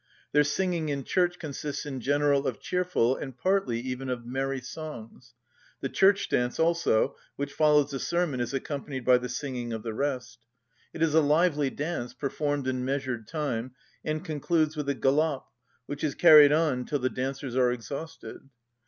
Their singing in church consists in general of cheerful, and partly even of merry, songs. The church‐dance, also, which follows the sermon is accompanied by the singing of the rest. It is a lively dance, performed in measured time, and concludes with a galop, which is carried on till the dancers are exhausted.